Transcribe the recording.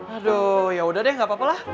aduh yaudah deh gak apa apa lah